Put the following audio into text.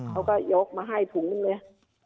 เขาก็ยกมาให้ถุงหนึ่งเลย